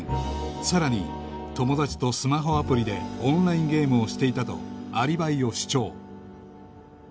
さらに友達とスマホアプリでオンラインゲームをしていたとアリバイを主張